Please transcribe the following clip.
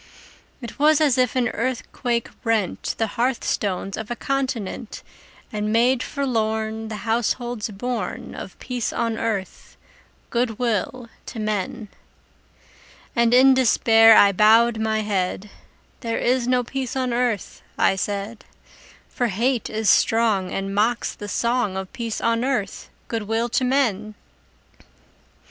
It was as if an earthquake rent The hearth stones of a continent, And made forlorn The households born Of peace on earth, good will to men! And in despair I bowed my head; "There is no peace on earth," I said: "For hate is strong, And mocks the song Of peace on earth, good will to men!"